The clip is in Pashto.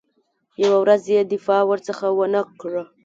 یوه ورځ یې دفاع ورڅخه ونه کړه.